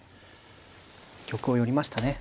玉を寄りましたね。